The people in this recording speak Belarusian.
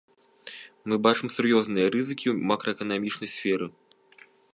Мы бачым сур'ёзныя рызыкі ў макраэканамічнай сферы.